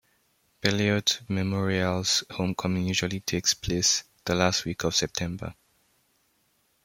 Beloit Memorial's homecoming usually takes place the last week of September.